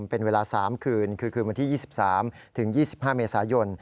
เป็นเวลา๓คืนคือคืนวันที่๒๓๒๕เมษายน